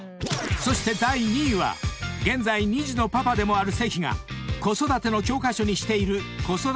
［そして第２位は現在２児のパパでもある関が子育ての教科書にしている］